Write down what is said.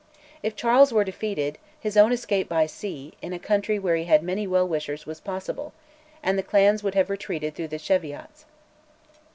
If Charles were defeated, his own escape by sea, in a country where he had many well wishers, was possible, and the clans would have retreated through the Cheviots.